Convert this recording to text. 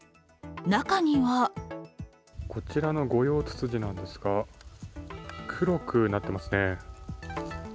中にはこちらのゴヨウツツジなんですが黒くなってますね。